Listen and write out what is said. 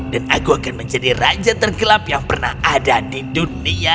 dan aku akan menjadi raja tergelap yang pernah ada di dunia